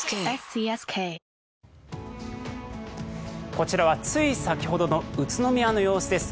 こちらはつい先ほどの宇都宮の様子です。